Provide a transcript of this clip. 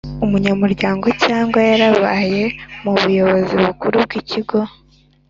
umunyamuryango cyangwa yarabaye mu buyobozi bukuru bw’ikigo